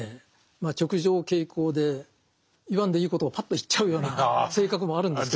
まあ直情径行で言わんでいいことをパッと言っちゃうような性格もあるんですけど。